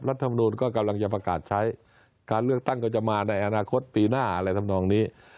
รัฐมนูลก็กำลังจะประกาศใช้การเลือกตั้งก็จะมาในอนาคตปีหน้าอะไรทำนองนี้